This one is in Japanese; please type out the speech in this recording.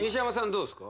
どうですか？